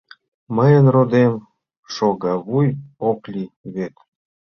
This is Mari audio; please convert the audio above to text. — Мыйын, родем, шогавуй ок лий вет!